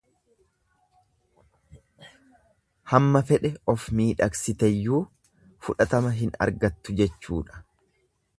Hamma fedhe of miidhagsiteyyuu fudhatama hin argattu jechuudha.